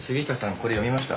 これ読みました？